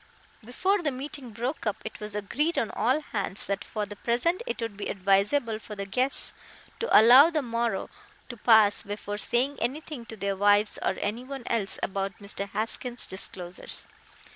Before the meeting broke up it was agreed on all hands that for the present it would be advisable for the guests to allow the morrow to pass before saying anything to their wives or anyone else about Mr. Haskins' disclosures.